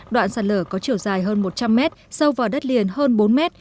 đoạn sạt lở có chiều dài hơn một trăm linh mét sâu vào đất liền hơn bốn mét